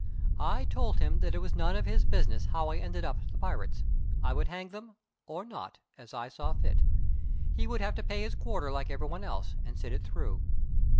I told him that it was none of his business how I ended up the pirates. I would hang them or not, as I saw fit. He would have to pay his quarter like anybody else and sit it through.